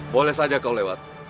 boleh saja kau lewat